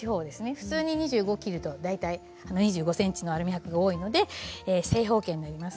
普通に２５ｃｍ切ると大体２５ｃｍのアルミはくが多いので、正方形になります。